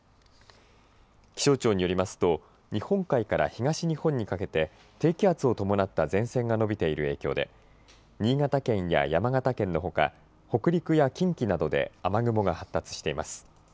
気象庁によりますと日本海から東日本にかけて低気圧を伴った前線が伸びている影響で新潟県や山形県のほか北陸や近畿などで雨雲が発達しています。